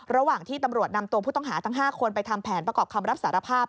ระหว่างที่ตำรวจนำตัวผู้ต้องหาทั้ง๕คนไปทำแผนประกอบคำรับสารภาพ